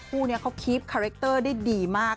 คู่นี้เขาคีฟคาแรคเตอร์ได้ดีมาก